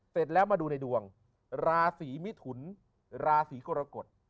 เสร็จแล้วมาดูในดวงราศีมิถุนราศีกรกฎ